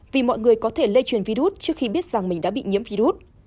vì mọi người có thể lây truyền virus trước khi biết rằng mình đã bị nhiễm virus